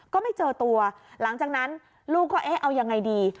ก็ไม่เจอตัวหลังจากนั้นลูกก็เอ๊ะเอายังไงดี